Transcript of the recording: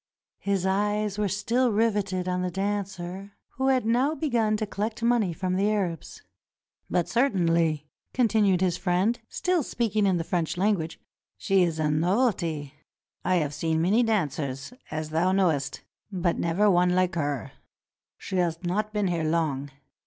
His eyes were still riveted on the dancer who had now begun to collect money from the Arabs. "But certainly," continued his friend, still speaking in the French language, "she is a novelty. I have seen many dancers, as thou knowest, but never one hke her. She has not been here long.